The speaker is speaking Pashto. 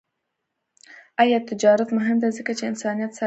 آزاد تجارت مهم دی ځکه چې انسانیت ساتي.